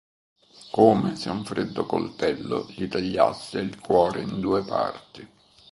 Come se un freddo coltello gli tagliasse il cuore in due parti.